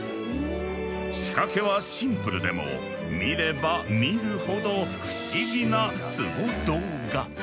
仕掛けはシンプルでも見れば見るほど不思議なスゴ動画。